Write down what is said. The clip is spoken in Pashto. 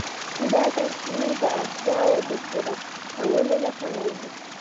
دا سرچینې د اړتیاوو د پوره کولو لپاره وې.